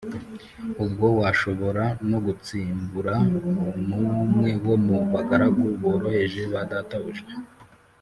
Ubwo washobora no gutsimbura n’umwe wo mu bagaragu boroheje ba databuja?